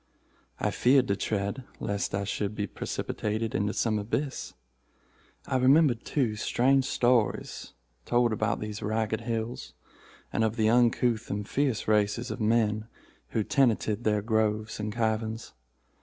I feared to tread, lest I should be precipitated into some abyss. I remembered, too, strange stories told about these Ragged Hills, and of the uncouth and fierce races of men who tenanted their groves and caverns.